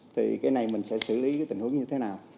thì cái này mình sẽ xử lý cái tình huống như thế nào